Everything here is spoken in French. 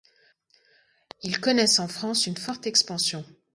Ils connaissent en France une forte expansion.